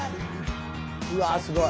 うわすごい。